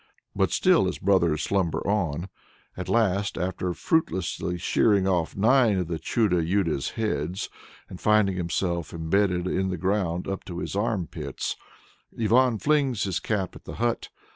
But still his brothers slumber on. At last, after fruitlessly shearing off nine of the Chudo Yudo's heads, and finding himself embedded in the ground up to his armpits, Ivan flings his cap at the hut.